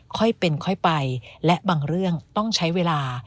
ค่อยเป็นค่อยไปและบางเรื่องต้องใช้เวลา